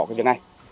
cái việc này